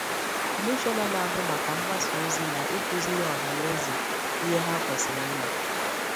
Kọmishọna na-ahụ maka mgbasaozi na ịkụziri ọhaneze ihe ha kwesiri ịma